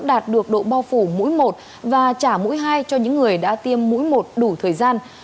đạt được độ bao phủ mũi một và trả mũi hai cho những người đã tiêm mũi một đủ thời gian